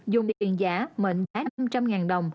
dùng tiền giả mệnh giá năm trăm linh đồng